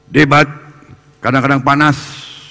debat kadang kadang panas